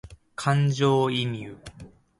感情移入